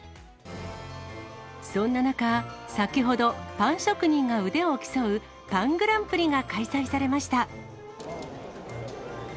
そんな中、先ほど、パン職人が腕を競うパングランプリが開催されました。